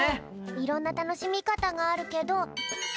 いろんなたのしみかたがあるけど。